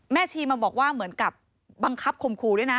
ชีมาบอกว่าเหมือนกับบังคับคมครูด้วยนะ